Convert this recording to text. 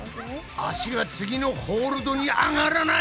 足が次のホールドに上がらない。